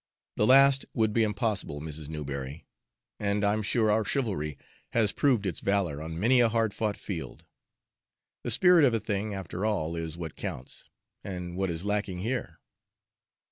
"The last would be impossible, Mrs. Newberry; and I'm sure our chivalry has proved its valor on many a hard fought field. The spirit of a thing, after all, is what counts; and what is lacking here?